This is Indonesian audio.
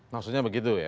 maksudnya begitu ya